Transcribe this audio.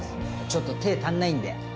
ちょっと手ぇ足んないんで。